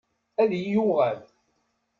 Ad iyi-yuɣal.